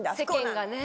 世間がね。